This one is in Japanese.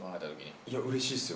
いや、うれしいですよ。